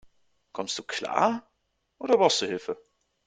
Kommst du klar, oder brauchst du Hilfe?